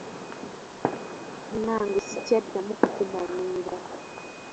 Munnange sikyaddamu kukumanyiira.